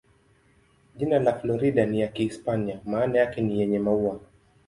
Jina la Florida ni ya Kihispania, maana yake ni "yenye maua".